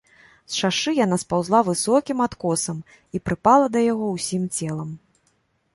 З шашы яна спаўзла высокім адкосам і прыпала да яго ўсім целам.